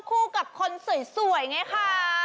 คู่กับคนสวยไงคะ